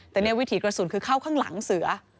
แต่เนี่ยวิถีกระสุนคือเข้าข้างหลังเสือ